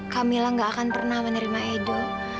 kak mila gak akan pernah menerima edo